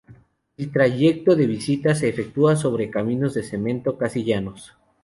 El trayecto de visita se efectúa sobre caminos de cemento casi llanos.